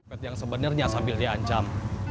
pepet yang sebenarnya sambil diancam